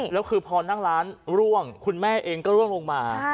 แล้วคือพอนั่งร้านร่วงคุณแม่เองก็ร่วงลงมา